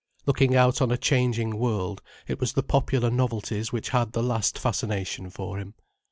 Looking out on a changing world, it was the popular novelties which had the last fascination for him.